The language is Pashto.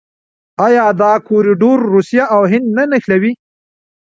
آیا دا کوریډور روسیه او هند نه نښلوي؟